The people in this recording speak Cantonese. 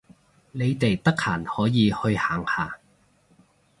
你哋得閒可以去行下